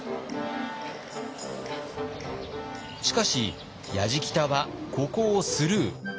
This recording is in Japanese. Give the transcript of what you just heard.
しかしやじきたはここをスルー。